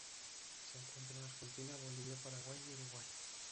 Se encuentra en Argentina, Bolivia, Paraguay y Uruguay.